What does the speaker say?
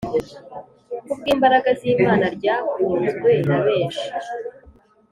ku bw’imbaraga z’imana ryakunzwe na bensh